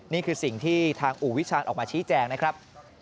นี่คือสิ่งที่ทางอู่วิชาญออกมาชี้แจงนะครับ